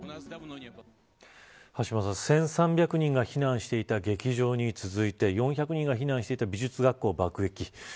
橋下さん、１３００人が避難していた劇場に続いて４００人が避難していた美術学校を爆撃。